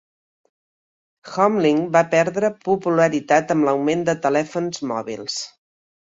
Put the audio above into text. HomeLink va perdre popularitat amb l'augment de telèfons mòbils.